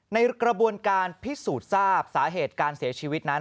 ในกระบวนการพิสูจน์ทราบสาเหตุการเสียชีวิตนั้น